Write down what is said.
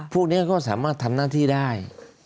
พวกก็ทำหน้าที่ได้